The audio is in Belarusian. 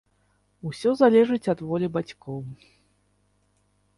Усё залежыць ад волі бацькоў.